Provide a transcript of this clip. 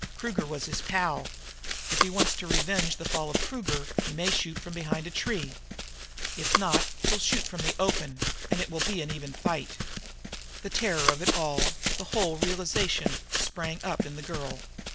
Kruger was his pal. If he wants to revenge the fall of Kruger he may shoot from behind a tree. If not, he'll shoot from the open, and it will be an even fight." The terror of it all, the whole realization, sprang up in the girl.